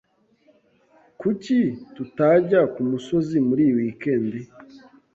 Kuki tutajya kumusozi muri iyi weekend?